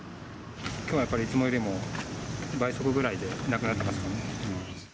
きょうはやっぱりいつもよりも倍速ぐらいでなくなってますね。